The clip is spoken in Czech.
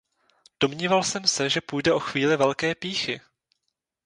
Domníval jsem se, že půjde o chvíli velké pýchy!